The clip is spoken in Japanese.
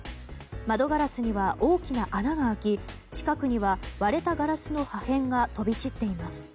窓ガラスには大きな穴が開き近くには割れたガラスの破片が飛び散っています。